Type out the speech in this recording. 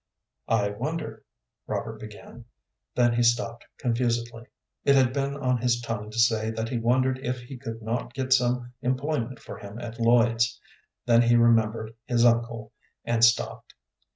"I wonder," Robert began, then he stopped confusedly. It had been on his tongue to say that he wondered if he could not get some employment for him at Lloyd's; then he remembered his uncle, and stopped.